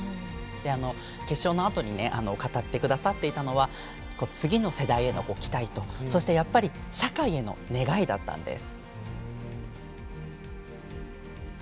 決勝のあとに語ってくださっていたのは次の世代への期待とそして、やっぱり社会への願いだったんです。